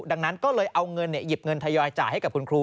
ดังนั้นก็เลยเอาเงินหยิบเงินทยอยจ่ายให้กับคุณครู